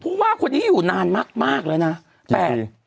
ครูห้าคนนี้อยู่นานมากเลยนะ